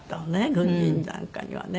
軍人なんかにはね。